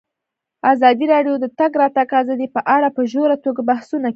ازادي راډیو د د تګ راتګ ازادي په اړه په ژوره توګه بحثونه کړي.